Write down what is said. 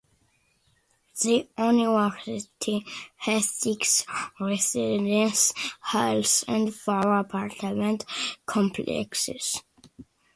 The University has six residence halls and four apartment complexes.